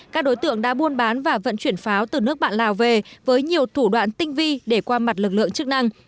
các đối tượng đã buôn bán và vận chuyển pháo từ nước bạn lào về với nhiều thủ đoạn tinh vi để qua mặt lực lượng chức năng